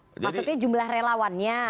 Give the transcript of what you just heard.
maksudnya jumlah relawannya